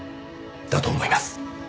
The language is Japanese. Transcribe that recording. だと思います。